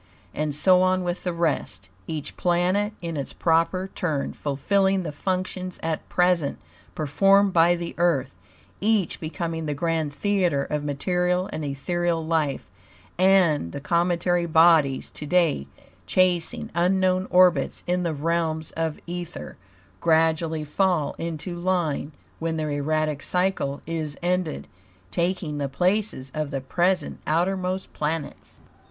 And so on with the rest, each planet in its proper turn fulfilling the functions at present performed by the Earth, each becoming the grand theater of material and ethereal life, and the cometary bodies, to day chasing unknown orbits in the realms of ether, gradually fall into line when their erratic cycle is ended, taking the places of the present outermost planets.